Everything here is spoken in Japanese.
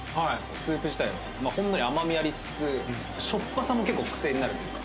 スープ自体はほんのり甘みありつつしょっぱさも結構クセになるというか。